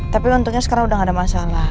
tapi untungnya sekarang udah gak ada masalah